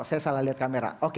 saya salah lihat kamera